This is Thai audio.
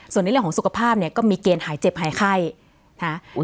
ส่วนในเรื่องของสุขภาพเนี่ยก็มีเกณฑ์หายเจ็บหายไข้นะฮะ